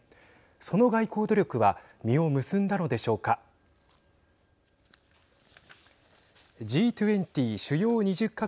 その外交努力は実を結んだのでしょうか。